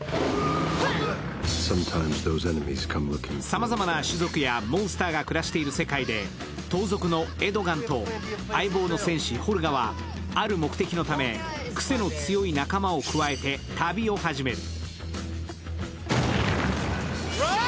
さまざまな種族やモンスターが暮らしている世界で盗賊のエドガンと相棒の戦士・ホルガはある目的のため、癖の強い仲間を加えて旅を始める。